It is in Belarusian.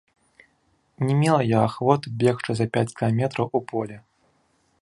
Не мела я ахвоты бегчы за пяць кіламетраў у поле.